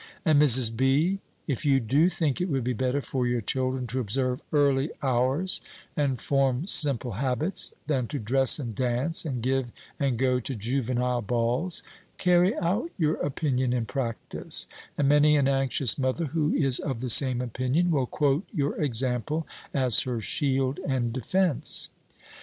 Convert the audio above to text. And, Mrs. B., if you do think it would be better for your children to observe early hours, and form simple habits, than to dress and dance, and give and go to juvenile balls, carry out your opinion in practice, and many an anxious mother, who is of the same opinion, will quote your example as her shield and defence.